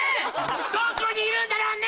⁉どこにいるんだろうね